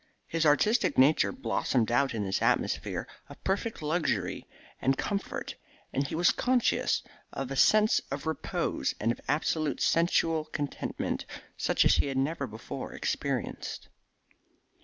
His artistic nature blossomed out in this atmosphere of perfect luxury and comfort, and he was conscious of a sense of repose and of absolute sensual contentment such as he had never before experienced.